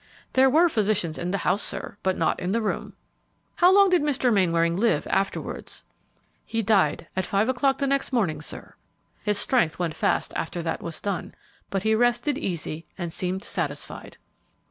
"There were physicians in the house, sir, but not in the room." "How long did Mr. Mainwaring live afterwards?" "He died at five o'clock the next morning, sir; his strength went fast after that was done, but he rested easy and seemed satisfied."